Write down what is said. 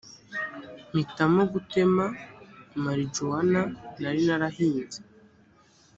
mpitamo gutema marijuwana nari narahinze